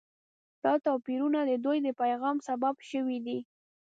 دا توپیرونه د دوی د پیغام سبب شوي دي.